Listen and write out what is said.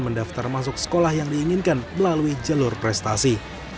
mendaftar masuk sekolah yang diinginkan melalui jalur prestasi